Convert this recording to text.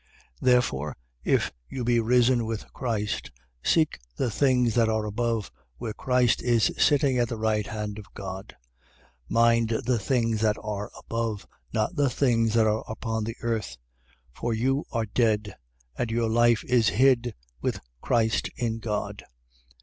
3:1. Therefore if you be risen with Christ, seek the things that are above, where Christ is sitting at the right hand of God. 3:2. Mind the things that are above, not the things that are upon the earth. 3:3. For you are dead: and your life is hid with Christ in God.